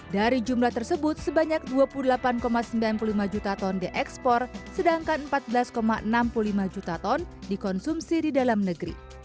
dari jumlah tersebut sebanyak dua puluh delapan sembilan puluh lima juta ton diekspor sedangkan empat belas enam puluh lima juta ton dikonsumsi di dalam negeri